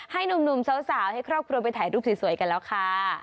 ให้หนุ่มสาวให้ครอบครัวไปถ่ายรูปสวยกันแล้วค่ะ